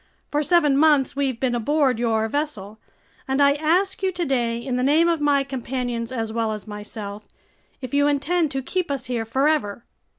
For seven months we've been aboard your vessel, and I ask you today, in the name of my companions as well as myself, if you intend to keep us here forever."